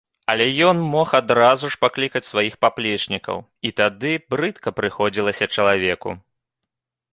Але ён мог адразу ж паклікаць сваіх паплечнікаў, і тады брыдка прыходзілася чалавеку.